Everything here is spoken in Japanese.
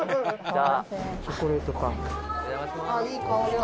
「ああいい香りが」